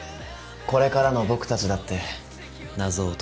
これからの僕たちだって謎を解けば。